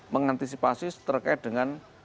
mengantisipasi terkait dengan